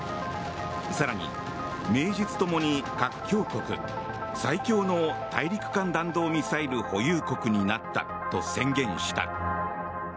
更に、名実ともに核強国最強の大陸間弾道ミサイル保有国になったと宣言した。